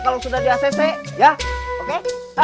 kalau sudah di acc ya oke